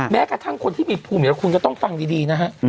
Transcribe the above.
แม้กระทั่งคนที่มีภูมิอยู่แล้วคุณก็ต้องฟังดีนะฮะ